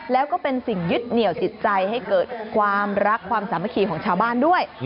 แล้วก็เป็นสิ่งยึดเหนี่ยวจิตใจให้เกิดความรักความสามัคคีของชาวบ้านด้วย